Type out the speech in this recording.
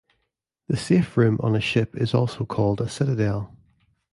The safe room on a ship is also called a citadel.